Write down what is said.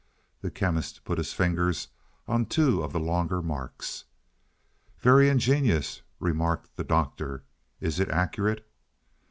The Chemist put his fingers on two of the longer marks. "Very ingenious," remarked the Doctor. "Is it accurate?"